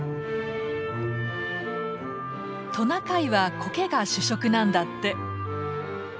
トナカイはコケが主食なんだって。